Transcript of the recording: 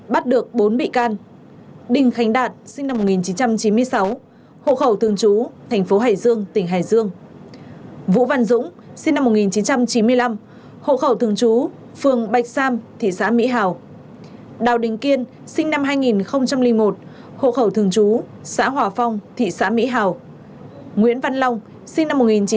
bắt được nhóm đối tượng bỏ trốn khỏi nhà tạm giữ công an thị xã mỹ hào tỉnh hương yên